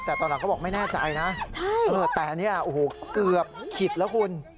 แต่ตอนหลังเขาบอกไม่แน่ใจนะแต่อันนี้เกือบขิดแล้วคุณใช่